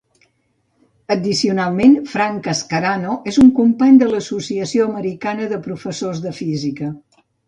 Addicionalment, Frank Cascarano és un Company de l'Associació americana de Professors de Física.